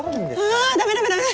あぁダメダメダメ。